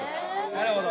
なるほど。